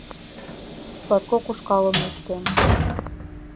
Латкок ушкалым лӱштем.